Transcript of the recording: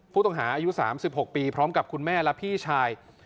ผู้ต้องหาอายุ๓๖ปีพร้อมกับคุณแม่และพี่ชาย